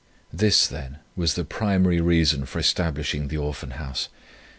This, then, was the primary reason for establishing the Orphan House.